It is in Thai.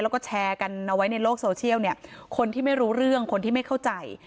แล้วก็แชร์กันเอาไว้ในโลกโซเชียลเนี่ยคนที่ไม่รู้เรื่องคนที่ไม่เข้าใจ